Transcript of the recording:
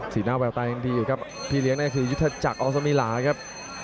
สีน้าแววตายอย่างดีอยู่ครับที่เลี้ยงนั่นคือยุธจักรทรมมีระครับ